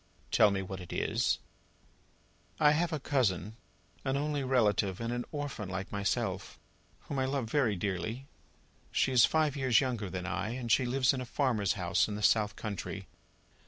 "Tell me what it is." "I have a cousin, an only relative and an orphan, like myself, whom I love very dearly. She is five years younger than I, and she lives in a farmer's house in the south country.